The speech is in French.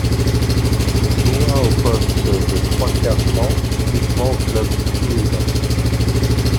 Il joua au poste de trois-quarts centre, uniquement au club toulousain.